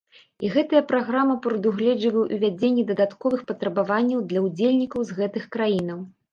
І гэтая праграма прадугледжвае ўвядзенне дадатковых патрабаванняў для ўдзельнікаў з гэтых краінаў.